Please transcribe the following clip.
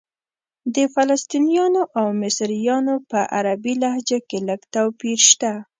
د فلسطنیانو او مصریانو په عربي لهجه کې لږ توپیر شته.